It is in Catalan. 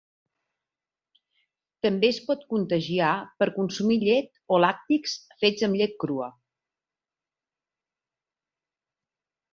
També es pot contagiar per consumir llet o làctics fets amb llet crua.